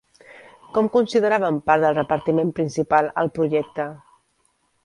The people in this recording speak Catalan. Com consideraven part del repartiment principal el projecte?